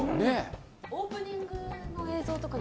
オープニングの映像とかに。